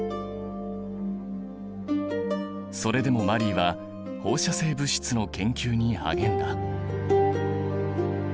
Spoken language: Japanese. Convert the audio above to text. それでもマリーは放射性物質の研究に励んだ。